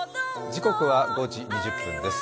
時刻は５時２０分です。